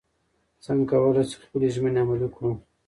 څنګه کولی شو خپلې ژمنې عملي کړو؟